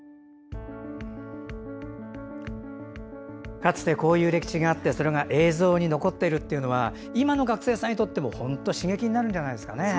かつてこういう歴史があってそれが映像に残っているというのは今の学生さんにとっても本当に刺激になるんじゃないですかね。